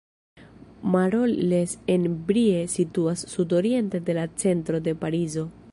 Marolles-en-Brie situas sudoriente de la centro de Parizo.